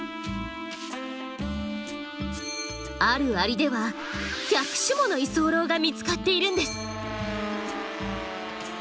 あるアリでは１００種もの居候が見つかっているんです。